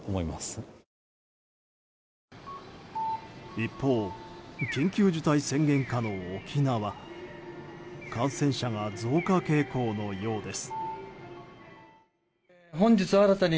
一方、緊急事態宣言下の沖縄感染者が増加傾向のようです。